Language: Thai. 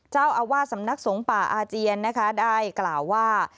เจ้าอาวาสสำนักสงฆ์ป่าอาเจียนนะคะได้กล่าวว่า